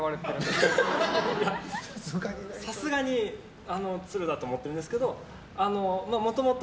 いや、さすがに都留だと思っているんですけどももともと